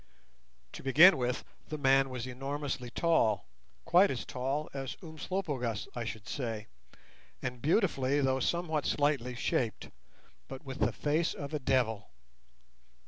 To begin with, the man was enormously tall, quite as tall as Umslopogaas, I should say, and beautifully, though somewhat slightly, shaped; but with the face of a devil.